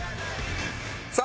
さあ